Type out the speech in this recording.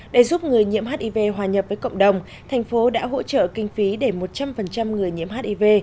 để giúp người nhiễm hiv hòa nhập với cộng đồng thành phố đã hỗ trợ kinh phí để một trăm linh người nhiễm hiv